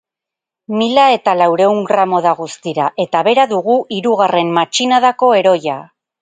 Mila eta laurehun gramo da guztira, eta bera dugu hirugarren matxinadako heroia.